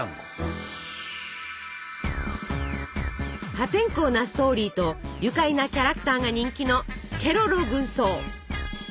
破天荒なストーリーと愉快なキャラクターが人気の「ケロロ軍曹」！